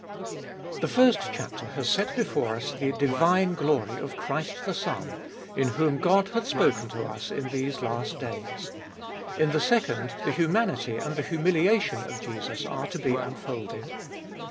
THE first chapter has set before us the divine glory of Christ the Son, in whom God hath spoken to us in these days. In the second the humanity and the humiliation of Jesus are to be Unfolded.